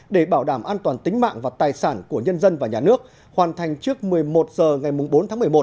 để bảo đảm an toàn tính mạng và tài sản của nhân dân và nhà nước hoàn thành trước một mươi một h ngày bốn tháng một mươi một